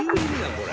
これ。